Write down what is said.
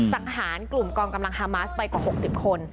สังหารกลุ่มกองกำลังฮามาสไปกว่า๖๐คน